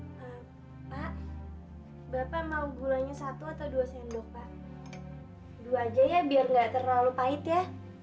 pak bapak mau gulanya satu atau dua sendok pak dua aja ya biar nggak terlalu pahit ya